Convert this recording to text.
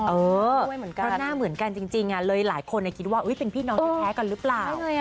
เพราะหน้าเหมือนกันจริงเลยหลายคนคิดว่าเป็นพี่น้องที่แท้กันหรือเปล่า